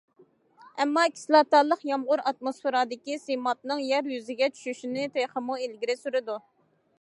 ئەمما كىسلاتالىق يامغۇر ئاتموسفېرادىكى سىمابنىڭ يەر يۈزىگە چۈشۈشىنى تېخىمۇ ئىلگىرى سۈرىدۇ.